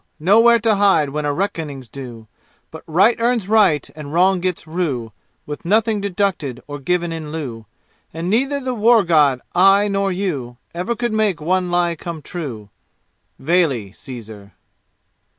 Nowhere to hide when a reckoning's due, But right earns right, and wrong gets rue, With nothing deducted or given in lieu; And neither the War God, I, nor you Ever could make one lie come true! Vale, Ceasar!